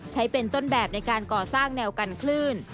ใช้เป็นต้นแบบในการก่อสร้างแนวกันคลื่น